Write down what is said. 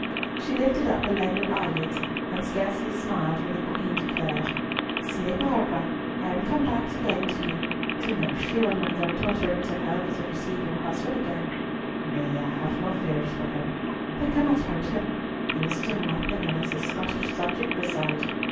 She lifted up her languid eyelids, and scarcely smiled when the Queen declared, "See, Barbara, I am come back again to you, to nurse you and my god daughter into health to receive your husband again. Nay, have no fears for him. They cannot hurt him. He has done nothing, and is a Scottish subject beside.